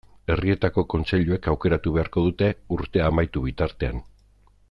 Herrietako kontseiluek aukeratu beharko dute urtea amaitu bitartean.